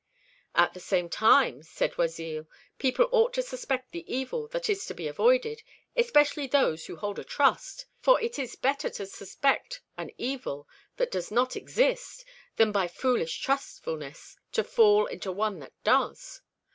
"At the same time," said Oisille, "people ought to suspect the evil that is to be avoided, especially those who hold a trust; for it is better to suspect an evil that does not exist than by foolish trustfulness to fall into one that does.